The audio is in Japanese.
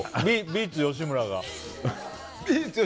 ビーツ吉村が。